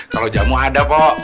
kalau jamu ada pok